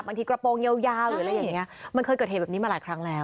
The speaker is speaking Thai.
กระโปรงยาวหรืออะไรอย่างเงี้ยมันเคยเกิดเหตุแบบนี้มาหลายครั้งแล้ว